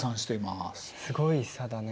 すごい差だね。